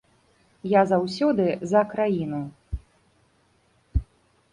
Я заўсёды за краіну.